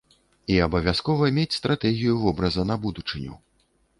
І абавязкова мець стратэгію вобраза на будучыню.